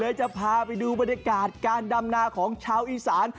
เรื่อยจะพาไปดูบรรตกาลการดำนาของชาวอีสาน